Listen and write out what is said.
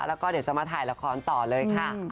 แล้วก็เดี๋ยวจะมาถ่ายละครต่อเลยค่ะ